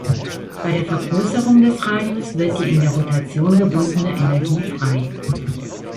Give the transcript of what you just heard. Bei der Vergrößerung des Radius wird die in der Rotation gebundene Energie frei.